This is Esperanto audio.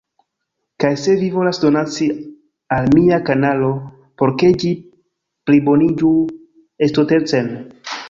Kaj se vi volas donaci al mia kanalo por ke ĝi pliboniĝu estontecen